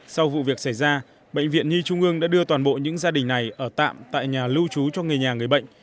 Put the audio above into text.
sau vụ việc xảy ra bệnh viện nhi trung ương đã đưa toàn bộ những gia đình này ở tạm tại nhà lưu trú cho người nhà người bệnh